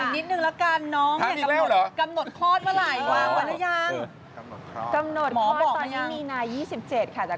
พี่เดฟถามอีกนิดหนึ่งแล้วกัน